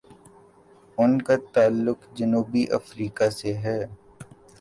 ان کا تعلق جنوبی افریقہ سے ہے۔